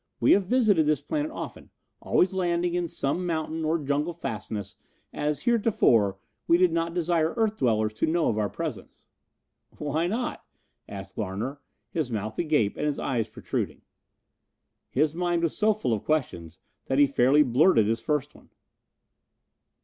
We have visited this planet often, always landing in some mountain or jungle fastness as heretofore we did not desire earth dwellers to know of our presence." "Why not?" asked Larner, his mouth agape and his eyes protruding. His mind was so full of questions that he fairly blurted his first one.